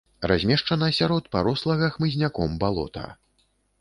Размешчана сярод парослага хмызняком балота.